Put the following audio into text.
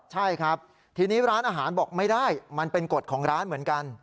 ใช่ครับทีนี้ร้านอาหารบอกไม่ได้มันเป็นกฎของร้านเหมือนกัน